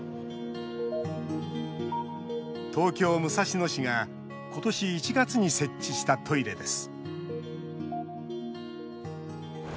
東京・武蔵野市が今年１月に設置したトイレです